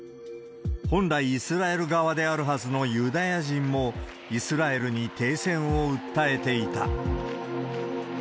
本来、イスラエル側であるはずのユダヤ人も、イスラエルに停戦を訴えていた。